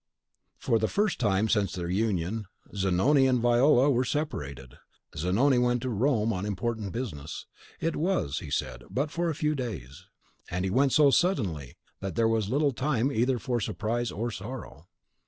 For the first time since their union, Zanoni and Viola were separated, Zanoni went to Rome on important business. "It was," he said, "but for a few days;" and he went so suddenly that there was little time either for surprise or sorrow.